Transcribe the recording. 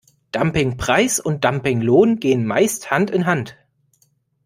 Dumpingpreis und Dumpinglohn gehen meist Hand in Hand.